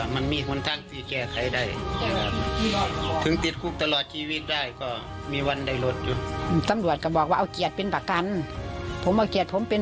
ยังสามารถไปเยี่ยมได้